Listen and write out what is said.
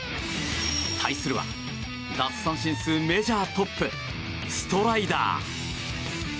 対するは、奪三振数メジャートップのストライダー。